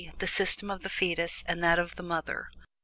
the system of the fetus, and that of the mother.